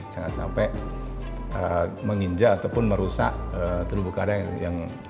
jangan sampai menginjak ataupun merusak terbuk terbuk karang